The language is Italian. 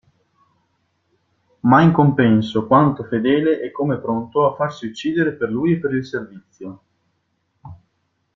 Ma in compenso quanto fedele e come pronto a farsi uccidere per lui e per il servizio.